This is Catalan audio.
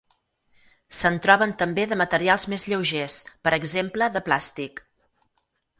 Se'n troben també de materials més lleugers, per exemple de plàstic.